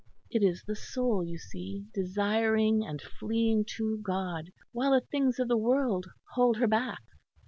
"It is the soul, you see, desiring and fleeing to God, while the things of the world hold her back.